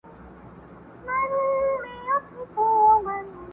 له ازل څخه یې لار نه وه میندلې٫